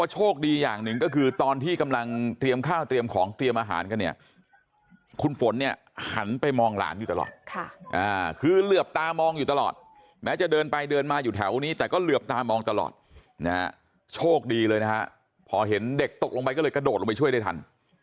หลานอยู่ตลอดค่ะอ่าคือเลือบตามองอยู่ตลอดแม้จะเดินไปเดินมาอยู่แถวนี้แต่ก็เลือบตามองตลอดเนี้ยโชคดีเลยนะฮะพอเห็นเด็กตกลงไปก็เลยกระโดดลงไปช่วยได้ทัน